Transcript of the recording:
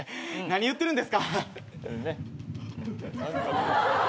何言ってるんですか。